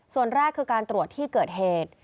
ส่วนแรกคือการตรวจที่เกิดเหตุ